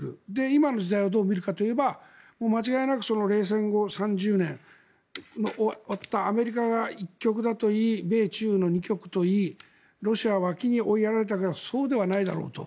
今の時代をどう見るかといえば間違いなく冷戦後３０年が終わってアメリカが一極だといい米中の二極といいロシアは脇に追いやられたからそうではないだろうと。